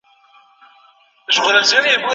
آیا د روغتون چاپیریال د کور تر چاپیریال پاک دی؟